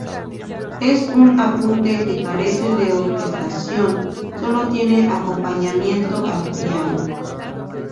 Es un apunte que carece de orquestación, solo tiene acompañamiento al piano.